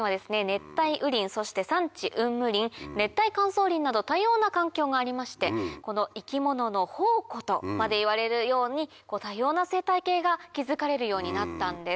熱帯雨林そして山地雲霧林熱帯乾燥林など多様な環境がありましてこの生き物の宝庫とまでいわれるように多様な生態系が築かれるようになったんです。